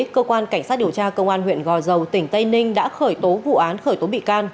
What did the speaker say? cơ quan cảnh sát điều tra công an huyện gò dầu tỉnh tây ninh đã khởi tố vụ án khởi tố bị can